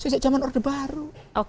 selesai jaman order baru